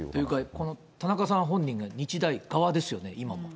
この田中さん本人が日大側ですよね、今も。